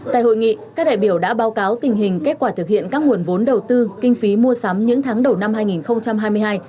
tại hội nghị các đại biểu đã báo cáo tình hình kết quả thực hiện các nguồn vốn đầu tư kinh phí mua sắm những tháng đầu năm hai nghìn hai mươi hai